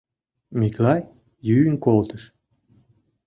Миклай йӱын колтыш.